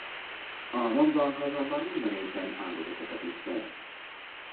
A Mont Blanc azonban minden évben áldozatokat is szed.